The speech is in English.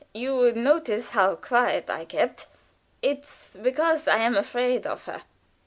You would notice how quiet I kept. It's because I am afraid of her."